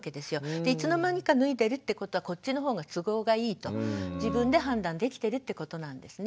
いつの間にか脱いでるってことはこっちの方が都合がいいと自分で判断できてるってことなんですね。